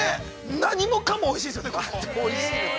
◆何もかもおいしいですよね。